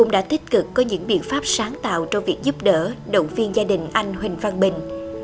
đồng viên gia đình anh huỳnh văn bình